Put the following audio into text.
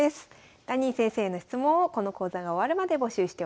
ダニー先生への質問をこの講座が終わるまで募集しております。